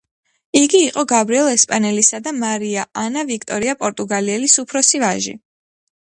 იგი იყო გაბრიელ ესპანელისა და მარია ანა ვიქტორია პორტუგალიელის უფროსი ვაჟი.